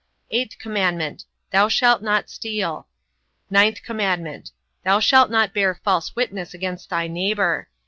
8th commandment: Thou shalt not steal. 9th commandment: Thou shalt not bear false witness against thy neighbour.